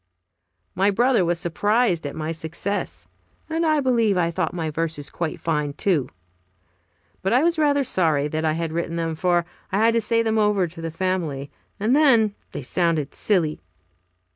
My brother was surprised at my success, and I believe I thought my verses quite fine, too. But I was rather sorry that I had written them, for I had to say them over to the family, and then they sounded silly.